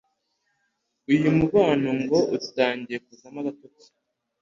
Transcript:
uyu mubano ngo utangiye kuzamo igitotsi.